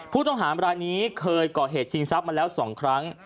ผู้ต้องหามรายนี้เคยก่อเหตุชิงทรัพย์มาแล้ว๒ครั้ง